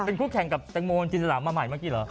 เป็นคู่แข่งกับแตงโมจินสลามมาใหม่เมื่อกี้เหรอ